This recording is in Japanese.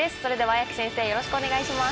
綾木先生よろしくお願いします。